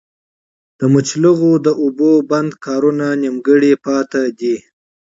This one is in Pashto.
د مچلغو د اوبو بند کارونه نيمګړي پاتې دي